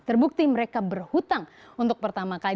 terbukti mereka berhutang untuk pertama kali